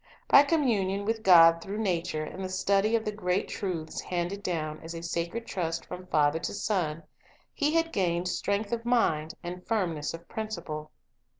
By communion with God through nature and the study of the great truths handed down as a sacred trust from father to son, he had gained strength of mind, and firmness of principle.